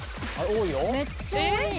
めっちゃ多い。